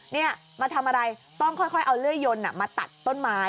นี่มาทำอะไรต้องค่อยเอาเลื่อยยนมาตัดต้นไม้